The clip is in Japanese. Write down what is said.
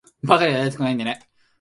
馬鹿にはなりたくないんでね。